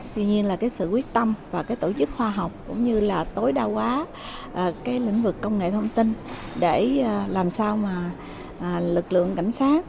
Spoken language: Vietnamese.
tuy nhiên là cái sự quyết tâm và cái tổ chức khoa học cũng như là tối đa quá cái lĩnh vực công nghệ thông tin để làm sao mà lực lượng cảnh sát